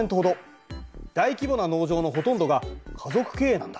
大規模な農場のほとんどが家族経営なんだ。